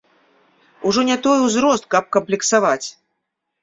Ужо не той узрост, каб камплексаваць!